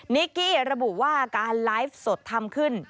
นิกกี้ระบุว่าการไลฟ์สดทำขึ้น